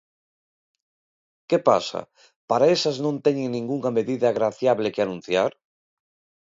¿Que pasa?, ¿para esas non teñen ningunha medida graciable que anunciar?